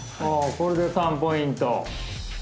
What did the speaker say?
これで３ポイント